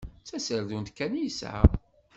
D taserdunt kan i yesεa.